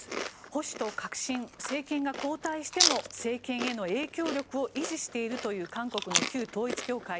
保守と革新政権が交代しても政権への影響力を維持しているという韓国の旧統一教会。